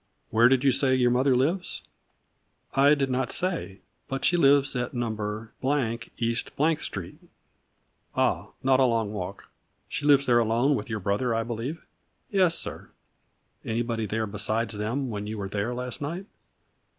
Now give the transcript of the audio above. " Where did you say your mother lives ?"" I did not say, but she lives at number — East — th St." " Ah, not a long walk. She lives there alone with your brother, I believe ?"" Yes, sir." " Anybody there besides them when you were there last night?"